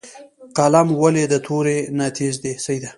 قلم ولې د تورې نه تېز دی؟